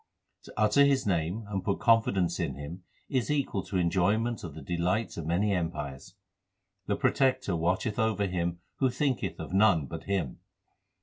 To utter His name and put confidence in Him is equal to enjoyment of the delights of many empires. The Protector watcheth over him who thinketh of none but Him.